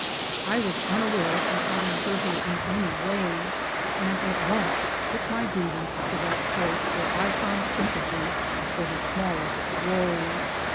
I was unaware of having hurt her in any way, and at once took my grievance to that source where I found sympathy for the smallest woe.